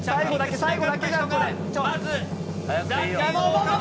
最後だけ。